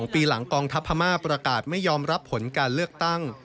ปีหลังกองทัพพม่าประกาศไม่ยอมรับผลการเลือกตั้ง